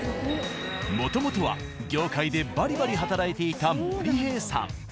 もともとは業界でバリバリ働いていた森平さん。